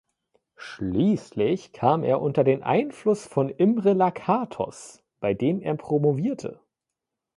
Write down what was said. Schließlich kam er unter den Einfluss von Imre Lakatos, bei dem er promovierte.